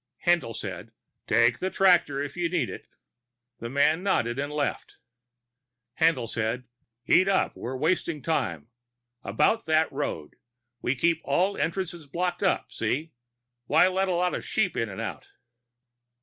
Haendl said: "Take the tractor if you need it." The man nodded and left. Haendl said: "Eat up. We're wasting time. About that road we keep all entrances blocked up, see? Why let a lot of sheep in and out?"